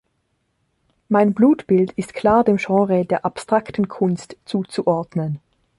Mein Blutbild ist klar dem Genre der abstrakten Kunst zuzuordnen.